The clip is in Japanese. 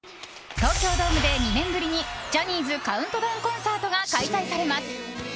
東京ドームで２年ぶりに「ジャニーズカウントダウンコンサート」が開催されます。